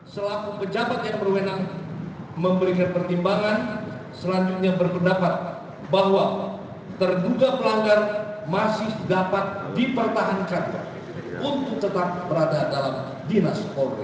selaku pejabat yang berwenang memberikan pertimbangan selanjutnya berpendapat bahwa terduga pelanggar masih dapat dipertahankan untuk tetap berada dalam dinas polri